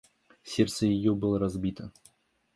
Сердце ее было разбито.